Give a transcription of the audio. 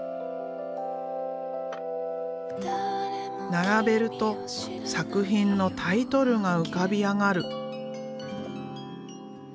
並べると作品のタイトルが浮かび上がる。